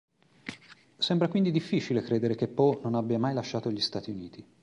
Sembra quindi difficile credere che Poe non abbia mai lasciato gli Stati Uniti.